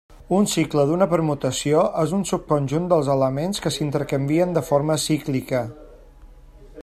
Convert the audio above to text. Un cicle d'una permutació és un subconjunt dels elements que s'intercanvien de forma cíclica.